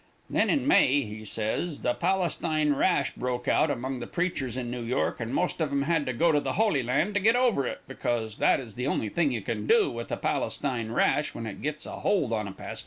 Then in May, he says, the Palestine rash broke out among the preachers in New York, and most of 'em had to go to the Holy Land to get over it, because that is the only thing you can do with the Palestine rash when it gets a hold on a pastor.